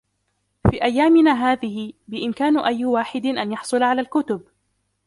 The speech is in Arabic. في أيامنا هذه ، بإمكان أي واحد أن يحصل على الكتب.